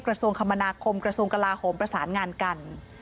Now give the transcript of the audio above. กระทรวงคมนาคมกระทรวงกลาโหมประสานงานกัน